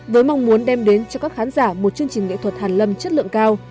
với mong muốn đem đến cho các khán giả một chương trình nghệ thuật hàn lâm chất lượng cao